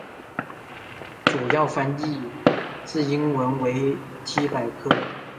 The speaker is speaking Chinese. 主要翻译自英文维基百科。